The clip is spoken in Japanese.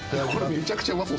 めちゃくちゃうまそう。